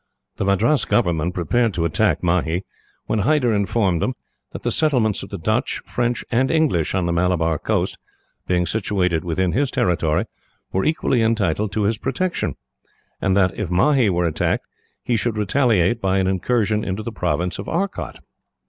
"The Madras government prepared to attack Mahe, when Hyder informed them that the settlements of the Dutch, French, and English on the Malabar coast, being situated within his territory, were equally entitled to his protection; and that, if Mahe were attacked, he should retaliate by an incursion into the province of Arcot.